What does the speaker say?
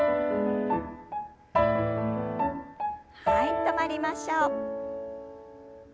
はい止まりましょう。